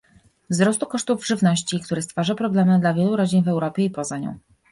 wzrostu kosztów żywności, który stwarza problemy dla wielu rodzin w Europie i poza nią